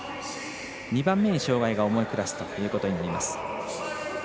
２番目に障がいが重いクラスということになります。